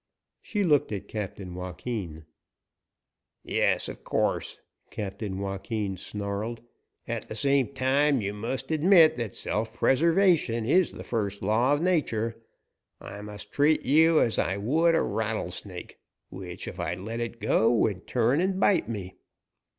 She looked at Captain Joaquin. "Yes, of course," Captain Joaquin snarled. "At the same time, you must admit that self preservation is the first law of nature. I must treat you as I would a rattlesnake, which, if I let it go, would turn and bite me."